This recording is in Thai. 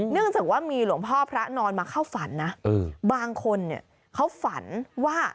เนื่องจากว่ามีหลวงพ่อพระนอนมาเข้าฝันนะบางคนเนี่ยเขาฝันว่า